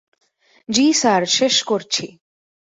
জ্বি স্যার, শেষ করছি।